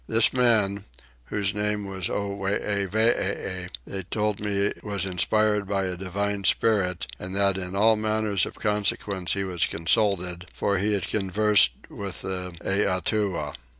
This man, whose name was Oweevee, they told me was inspired by a divine spirit; and that in all matters of consequence he was consulted, for that he conversed with the Eatua.